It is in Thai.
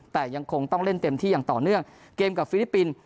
แต่ยังคงต้องเล่นเต็มที่อย่างต่อเนื่องเกมกับฟิลิปปินส์